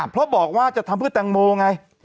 เพราะบอกว่าจะทำเพื่อแตงโมไง